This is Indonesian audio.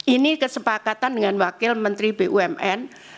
ini kesepakatan dengan wakil menteri bumn